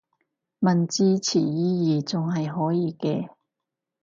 問字詞意義仲係可以嘅